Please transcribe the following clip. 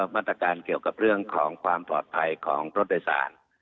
มาตรการเกี่ยวกับเรื่องของความปลอดภัยของรถโดยสาร